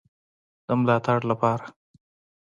د ملاتړ لپاره